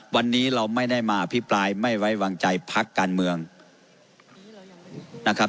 วันนี้เราไม่ได้มาอภิปรายไม่ไว้วางใจพักการเมืองนะครับ